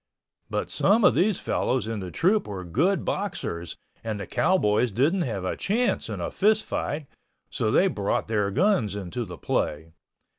But some of these fellows in the troupe were good boxers and the cowboys didn't have a chance in a fist fight, so they brought their guns into the play.